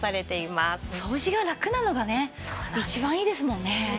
掃除がラクなのがね一番いいですもんね。